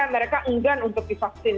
mereka enggan untuk divaksin